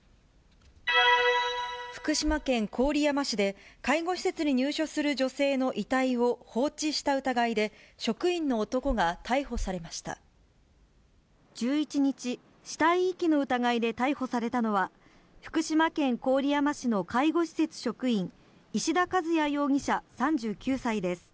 福島県郡山市で、介護施設に入所する女性の遺体を放置した疑いで、職員の男が逮捕１１日、死体遺棄の疑いで逮捕されたのは、福島県郡山市の介護施設職員、石田兼也容疑者３９歳です。